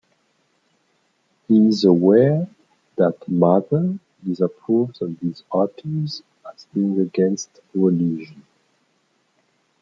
He is aware that "Mother" disapproves of these authors as being against religion.